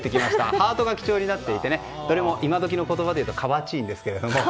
ハートが基調になっていて今どきの言葉で言うとかわちいなんですけども。